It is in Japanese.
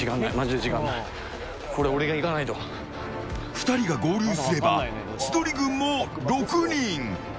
２人が合流すれば千鳥軍も６人。